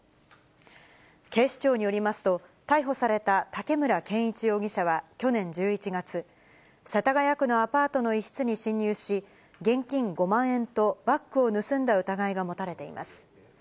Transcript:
警視庁によりますと、逮捕された竹村健一容疑者は去年１１月、世田谷区のアパートの一室に侵入し、現金５万円とバッグを盗んだ疑いが持たれています。